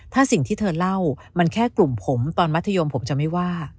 ถ้าสิ่งที่เธอเล่ามันแค่กลุ่มผมตอนมัธยมผมจะไม่ว่า